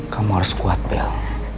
kamu harus kuat bel